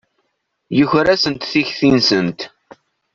Yuker-asent tikti-nsent.